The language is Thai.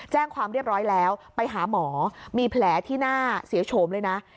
แจ้งความเรียบร้อยแล้วไปหาหมอมีแผลที่หน้าเสียโฉมเลยนะ